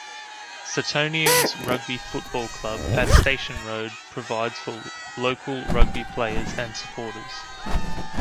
Suttonians Rugby Football Club, at Station Road, provides for local rugby players and supporters.